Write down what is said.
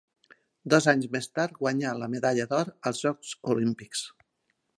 Dos anys més tard guanyà la medalla d'or als Jocs Olímpics.